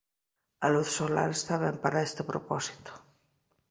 A luz solar está ben para este propósito.